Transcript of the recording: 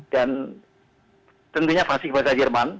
dan tentunya fasilisasi bahasa jerman